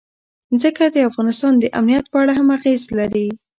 ځمکه د افغانستان د امنیت په اړه هم اغېز لري.